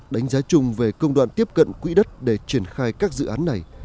đánh giá chung về công đoạn tiếp cận quỹ đất để triển khai các dự án này